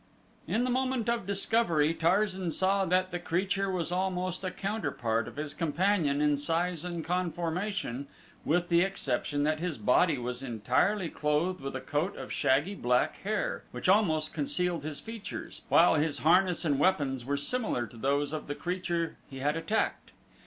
In the moment of discovery Tarzan saw that the creature was almost a counterpart of his companion in size and conformation, with the exception that his body was entirely clothed with a coat of shaggy black hair which almost concealed his features, while his harness and weapons were similar to those of the creature he had attacked.